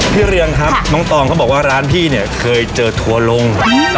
เรียงครับน้องตองเขาบอกว่าร้านพี่เนี่ยเคยเจอทัวร์ลง